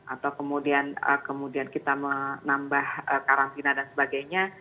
atau kemudian kita menambah karantina dan sebagainya